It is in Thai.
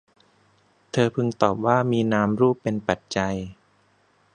เธอพึงตอบว่า มีนามรูป เป็นปัจจัย